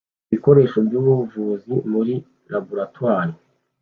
ibikoresho byubuvuzi muri laboratoire